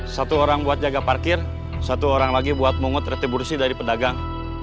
satu orang buat jaga parkir satu orang lagi buat mungut retribusi dari pedagang